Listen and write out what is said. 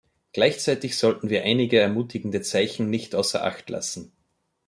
Gleichzeitig sollten wir einige ermutigende Zeichen nicht außer Acht lassen.